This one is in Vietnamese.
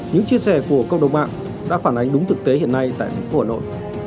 những chia sẻ của cộng đồng mạng đã phản ánh đúng thực tế hiện nay tại thành phố hà nội